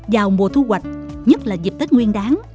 vào mùa thu hoạch nhất là dịp tết nguyên đáng